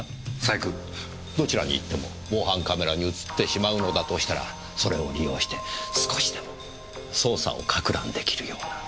どちらに行っても防犯カメラに映ってしまうのだとしたらそれを利用して少しでも捜査を撹乱出来るような。